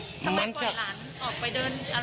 ทำไมปู่หลานออกไปเดินอะไรอย่างนั้น